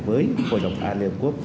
với hội đồng bảo an liên hợp quốc